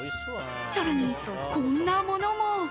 更に、こんなものも。